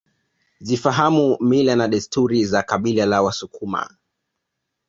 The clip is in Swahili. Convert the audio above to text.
Zifahamu mila na desturi za kabila la wasukuma